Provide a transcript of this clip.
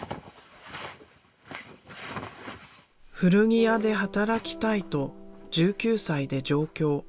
古着屋で働きたいと１９歳で上京。